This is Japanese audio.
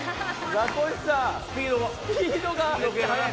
ザコシさん